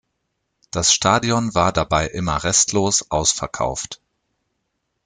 Das Stadion war dabei immer restlos ausverkauft.